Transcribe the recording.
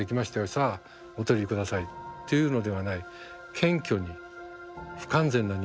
さあお取り下さい」っていうのではない。